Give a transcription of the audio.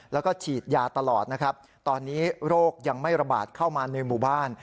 แล้วก็ฉีดยาตลอดนะครับตอนนี้โรคยังไม่ระบาดเข้ามาในหมู่บ้าน